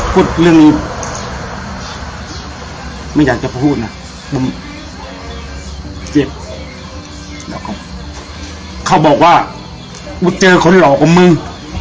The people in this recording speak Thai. พูดเรื่องไม่อยากจะพูดนะผมเจ็บแล้วก็เขาบอกว่ากูเจอคนหลอกกว่ามึง